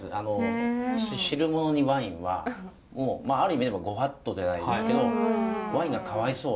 汁ものにワインはある意味ではご法度なんですけどワインがかわいそう。